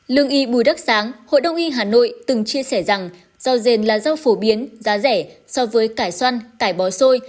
lương y bùi đắc sáng hội đồng y hà nội từng chia sẻ rằng rau rền là rau phổ biến giá rẻ so với cải xoăn cải bò xôi